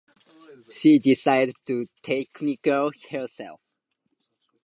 She decided to teach herself.